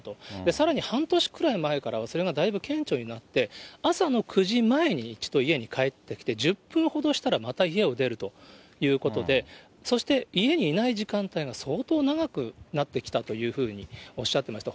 さらに半年くらい前からは、それがだいぶ顕著になって、朝の９時前に一度家に帰ってきて、１０分ほどしたらまた家を出るということで、そして家にいない時間帯が相当長くなってきたというふうにおっしゃってました。